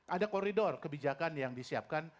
ada koridor kebijakan yang disiapkan